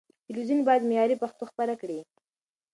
تلويزيون بايد معياري پښتو خپره کړي.